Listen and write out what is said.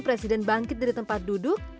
presiden bangkit dari tempat duduk